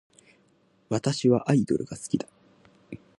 私はアイドルが好きだ